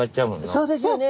そうですよね。